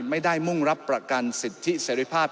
มุ่งรับประกันสิทธิเสรีภาพ